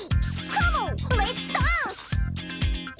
カモンレッツダンス！